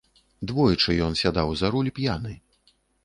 Двойчы ён сядаў за руль п'яны.